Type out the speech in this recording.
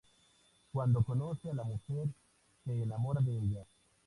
Cuando conoce a la mujer, se enamora de ella.